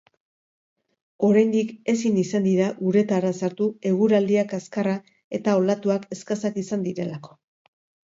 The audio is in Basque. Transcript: Oraindik ezin izan dira uretara sartu eguraldia kaskarra eta olatuak eskasak izan direlako.